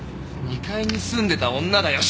２階に住んでた女だよ。